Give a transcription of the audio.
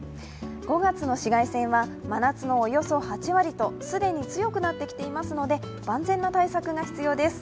５月の紫外線は真夏のおよそ８割と既に強くなってきていますので、万全な対策が必要です。